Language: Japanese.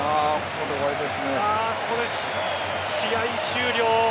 ここで試合終了。